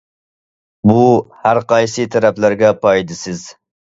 بۇ، ھەرقايسى تەرەپلەرگە پايدىسىز.